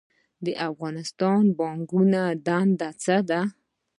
د افغانستان بانک دنده څه ده؟